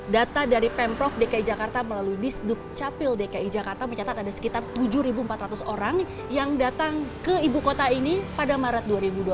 data dari pemprov dki jakarta melalui disduk capil dki jakarta mencatat ada sekitar tujuh empat ratus orang yang datang ke ibu kota ini pada maret dua ribu dua puluh